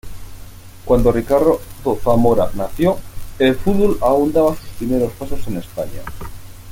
Cuando Ricardo Zamora nació, el fútbol aún daba sus primeros pasos en España.